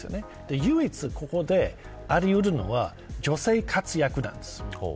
唯一ここであり得るのは女性の活躍です。